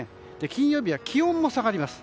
金曜日は気温も下がります。